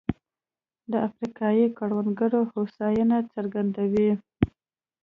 د افریقايي کروندګرو هوساینه څرګندوي.